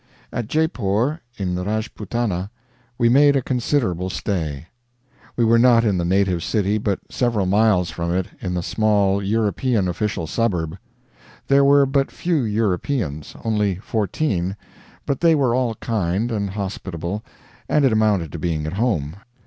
At Jeypore, in Rajputana, we made a considerable stay. We were not in the native city, but several miles from it, in the small European official suburb. There were but few Europeans only fourteen but they were all kind and hospitable, and it amounted to being at home.